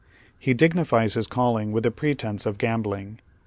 He dignifies bis calling with tlie pre tence of gambling.